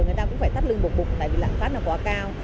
người ta cũng phải tắt lưng bục bục tại vì lãng phát nó quá cao